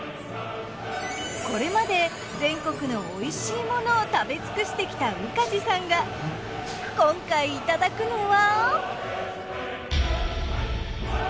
これまで全国のおいしいものを食べつくしてきた宇梶さんが今回いただくのは。